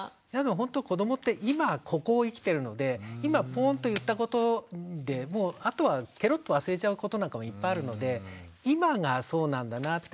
ほんと子どもって今ここを生きてるので今ポンと言ったことでもうあとはケロッと忘れちゃうことなんかもいっぱいあるので今がそうなんだなって。